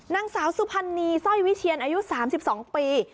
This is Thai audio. นางสาวซุภัณฑ์นีซ่อยวิเทียนอายุ๓๒ปี